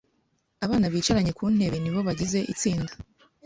Abana bicaranye ku ntebe nibo bagize itsinda.